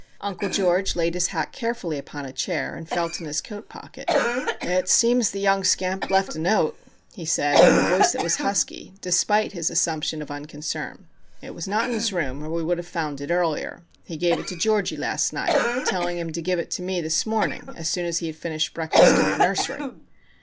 Uncle George laid his hat carefully upon a chair, and felt in his coat pocket. "It seems the young scamp left a note," he said, in a voice that was husky, despite his assumption of unconcern. "It was not in his room, or we would have found it earlier. He gave it to Georgie last night, telling him to give it to me this morning as soon as he had finished breakfast in the nursery."